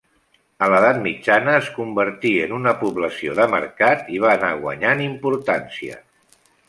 A l'edat mitjana es convertí en una població de mercat i va anar guanyant importància.